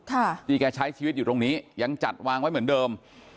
ที่แกใช้ชีวิตอยู่ตรงนี้ยังจัดวางไว้เหมือนเดิม